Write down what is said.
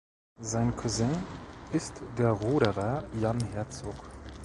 Sein Cousin ist der Ruderer Jan Herzog.